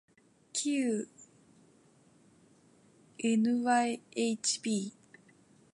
きう ｎｙｈｂ